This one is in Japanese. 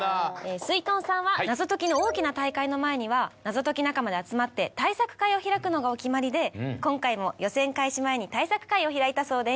すいとんさんは謎解きの大きな大会の前には謎解き仲間で集まって対策会を開くのがお決まりで今回も予選開始前に対策会を開いたそうです。